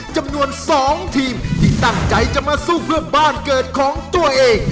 จำนวน๒ทีมที่ตั้งใจจะมาสู้เพื่อบ้านเกิดของตัวเอง